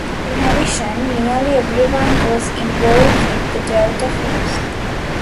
In addition, nearly everyone was involved with the Delta Force.